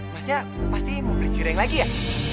masnya pasti mau beli siring lagi ya